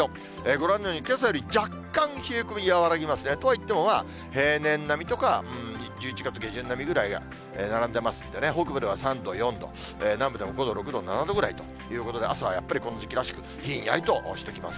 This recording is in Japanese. ご覧のようにけさより若干冷え込み、和らぎますね。とはいってもまあ、平年並みとか、１１月下旬並みぐらいが並んでますんでね、北部では３度、４度、南部でも５度、６度、７度ぐらいということで、朝はやっぱりこの時期らしくひんやりとしてきます。